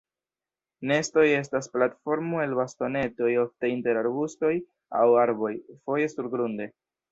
Nestoj estas platformo el bastonetoj, ofte inter arbustoj aŭ arboj, foje surgrunde.